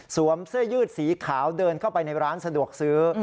เสื้อยืดสีขาวเดินเข้าไปในร้านสะดวกซื้อ